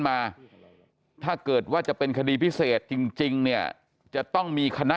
มาถ้าเกิดว่าจะเป็นคดีพิเศษจริงเนี่ยจะต้องมีคณะ